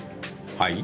はい？